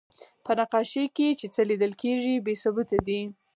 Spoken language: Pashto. په نقاشۍ کې چې څه لیدل کېږي، بې ثبوته دي.